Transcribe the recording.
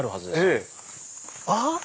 ええ。あっ？